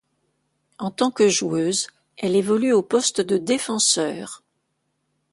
En tant que joueuse, elle évolue au poste de défenseure.